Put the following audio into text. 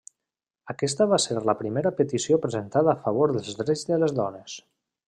Aquesta va ser la primera petició presentada a favor dels drets de les dones.